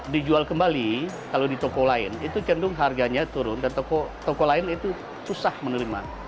dijual kembali kalau di toko lain itu cenderung harganya turun dan toko lain itu susah menerima